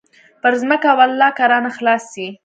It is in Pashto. پر ځمكه ولله كه رانه خلاص سي.